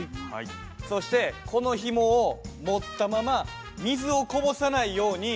そしてこのひもを持ったまま水をこぼさないように。